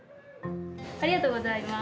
ありがとうございます。